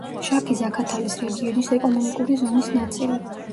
შაქი-ზაქათალის რეგიონის ეკონომიკური ზონის ნაწილი.